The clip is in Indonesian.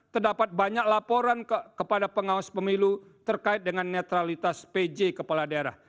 terdapat banyak laporan kepada pengawas pemilu terkait dengan netralitas pj kepala daerah